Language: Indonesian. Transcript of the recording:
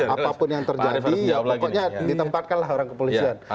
apapun yang terjadi ya pokoknya ditempatkanlah orang kepolisian